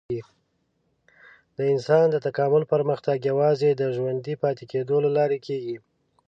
د انسان د تکامل پرمختګ یوازې د ژوندي پاتې کېدو له لارې کېږي.